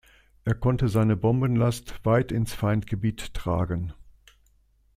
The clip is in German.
Er konnte seine Bombenlast weit ins Feindgebiet tragen.